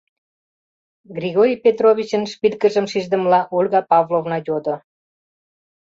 — Григорий Петровичын шпилькыжым шиждымыла Ольга Павловна йодо.